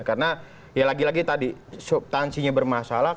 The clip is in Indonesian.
karena ya lagi lagi tadi subtansinya bermasalah